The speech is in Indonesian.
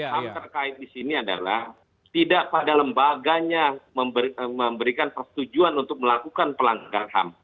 ham terkait di sini adalah tidak pada lembaganya memberikan persetujuan untuk melakukan pelanggaran ham